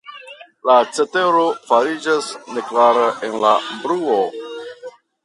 La cetero fariĝas neklara en la bruo.